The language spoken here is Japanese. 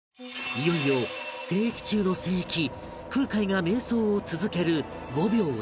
いよいよ聖域中の聖域空海が瞑想を続ける御廟へ